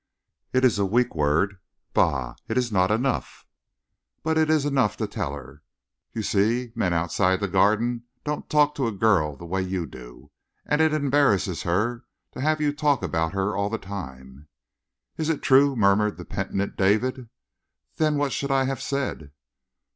"It is a weak word. Bah! It is not enough." "But it's enough to tell her. You see, men outside of the Garden don't talk to a girl the way you do, and it embarrasses her to have you talk about her all the time." "Is it true?" murmured the penitent David. "Then what should I have said?"